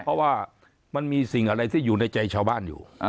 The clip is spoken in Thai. เพราะว่ามันมีสิ่งอะไรที่อยู่ในใจชาวบ้านอยู่